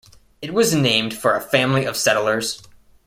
It was named for a family of settlers.